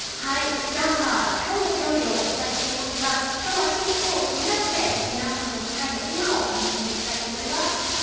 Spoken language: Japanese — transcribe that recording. ふだんは「きょうの料理」をお伝えしていますがきょうはキッチンを飛び出して皆さんと、世界の今を見つめていきたいと思います。